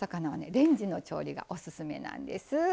レンジの調理がオススメなんです。